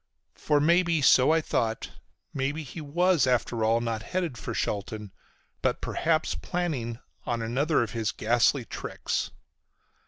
For maybe, so I thought, maybe he was after all not headed for Shelton, but perhaps planning on another of his ghastly tricks.